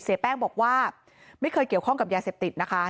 แป้งบอกว่าไม่เคยเกี่ยวข้องกับยาเสพติดนะคะ